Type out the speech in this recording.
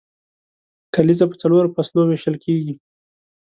کلیزه په څلورو فصلو ویشل کیږي.